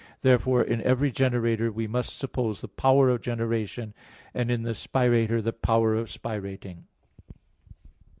Therefore in every generator we must suppose the power of generating, and in the spirator the power of spirating.